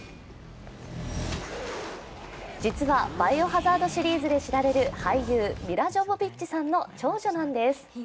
実は「バイオハザード」シリーズで知られている俳優・ミラ・ジョヴォヴィッチさんの長女なんです。